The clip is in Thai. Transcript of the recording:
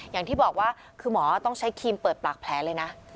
อย่างที่บอกว่าคือหมอต้องใช้ครีมเปิดปากแผลเลยนะ